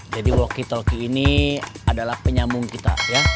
jadi walkie talkie ini adalah penyamung kita ya